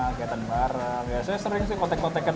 kegiatan bareng saya sering sih kotek kotekan